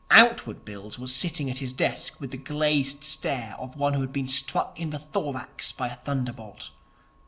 Outward Bills was sitting at his desk with the glazed stare of one who has been struck in the thorax by a thunderbolt.